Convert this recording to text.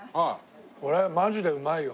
これマジでうまいよ。